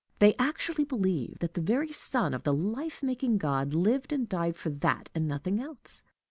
They actually believe that the very Son of the life making God lived and died for that, and for nothing else.